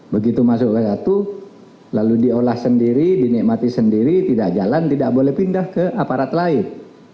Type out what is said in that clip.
begitu masuk ke satu lalu diolah sendiri dinikmati sendiri tidak jalan tidak boleh pindah ke aparat lain